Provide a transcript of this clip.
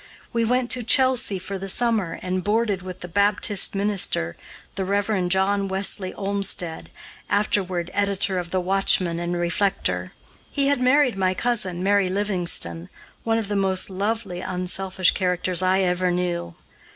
We went to Chelsea, for the summer, and boarded with the Baptist minister, the Rev. John Wesley Olmstead, afterward editor of The Watchman and Reflector. He had married my cousin, Mary Livingston, one of the most lovely, unselfish characters I ever knew.